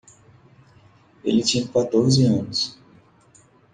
Ele tinha quatorze anos.